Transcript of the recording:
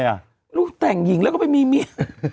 เราก็แต่งหญิงลั่วก็ไปมีเมีย